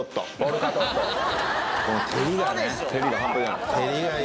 照りが半端じゃない。